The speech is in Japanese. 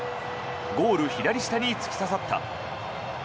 ゴール左下に突き刺さった。